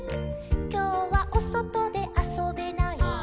「きょうはおそとであそべない」「」